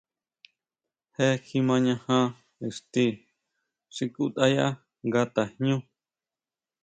Je kjimañaja ixti xi kutʼayá nga tajñú.